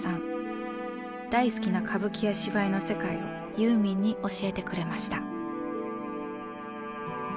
大好きな歌舞伎や芝居の世界をユーミンに教えてくれました。